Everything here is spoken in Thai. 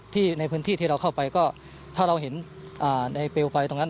ในพื้นที่ที่เราเข้าไปก็ถ้าเราเห็นในเปลวไฟตรงนั้น